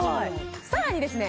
さらにですね